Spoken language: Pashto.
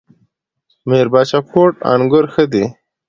میربچه کوټ انګور ښه دي؟